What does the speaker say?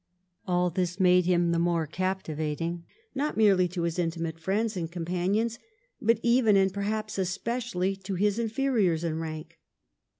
All this made him the more captivating, not merely to his intimate friends and companions, but even and perhaps especially to his inferiors in rank.